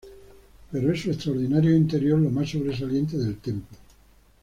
Pero es su extraordinario interior lo más sobresaliente del templo.